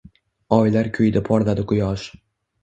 Oylar kuydi Porladi Quyosh.